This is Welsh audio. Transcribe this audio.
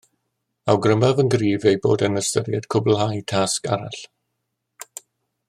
Awgrymaf yn gryf ei bod yn ystyried cwblhau tasg arall